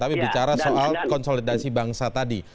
tapi bicara soal konsolidasi bangsa tadi